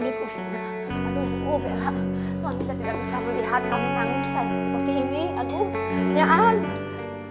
aduh oh belah mami gak bisa melihat kamu nangis kayak seperti ini aduh yaan